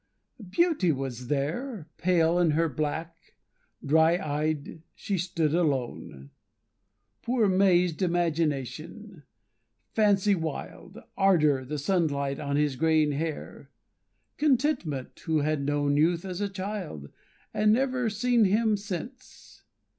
Beauty was there, Pale in her black; dry eyed; she stood alone. Poor maz'd Imagination; Fancy wild; Ardour, the sunlight on his greying hair; Contentment, who had known Youth as a child And never seen him since.